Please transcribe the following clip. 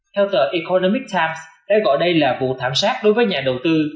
theo tờ economic times đây gọi đây là vụ thảm sát đối với nhà đầu tư